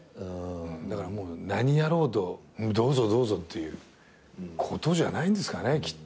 だからもう何やろうとどうぞどうぞっていうことじゃないんですかねきっと。